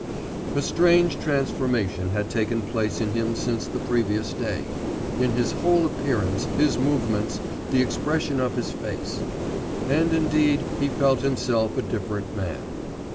A strange transformation had taken place in him since the previous day in his whole appearance, his movements, the expression of his face; and indeed he felt himself a different man.